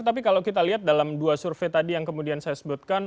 tapi kalau kita lihat dalam dua survei tadi yang kemudian saya sebutkan